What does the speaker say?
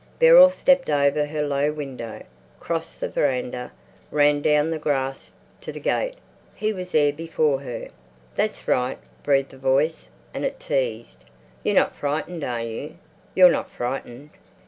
Beryl stepped over her low window, crossed the veranda, ran down the grass to the gate. He was there before her. "That's right," breathed the voice, and it teased, "You're not frightened, are you? You're not frightened?"